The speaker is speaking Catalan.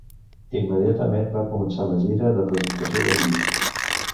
Immediatament van començar la gira de presentació del disc.